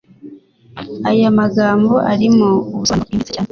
Aya magambo arimo ubusobanuro bwimbitse cyane.